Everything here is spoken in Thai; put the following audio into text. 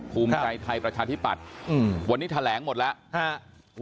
ภูมิใจไทยประชาธิปัตย์วันนี้แถลงหมดแล้ว